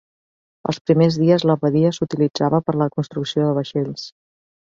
Els primers dies, la badia s'utilitzava per a la construcció de vaixells.